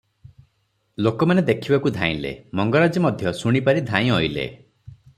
ଲୋକମାନେ ଦେଖିବାକୁ ଧାଇଁଲେ, ମଙ୍ଗରାଜେ ମଧ୍ୟ ଶୁଣିପାରି ଧାଇଁଅଇଲେ ।